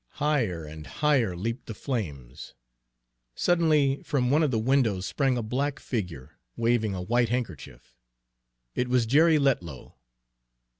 Higher and higher leaped the flames. Suddenly from one of the windows sprang a black figure, waving a white handkerchief. It was Jerry Letlow.